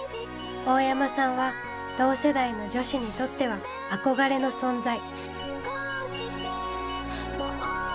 大山さんは同世代の女子にとっては憧れの存在。